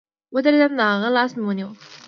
ودرېدم د هغه لاس مې ونيو.